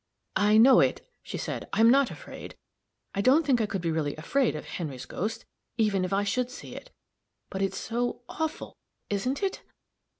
"I know it," she said. "I'm not afraid I don't think I could be really afraid of Henry's ghost, even if I should see it; but it's so awful, isn't it?"